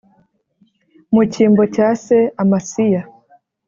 Mu cyimbo cya se amasiya